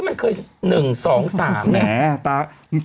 อันหนึ่งสองสามเนี่ย